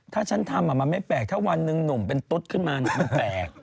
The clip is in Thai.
ถ้าฉันทำมันไม่แปลกถ้าวันหนึ่งหนุ่มเป็นตุ๊ดขึ้นมามันแปลก